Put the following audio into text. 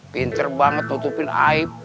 pinter banget tutupin aib